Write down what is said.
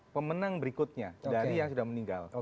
pemenang berikutnya dari yang sudah meninggal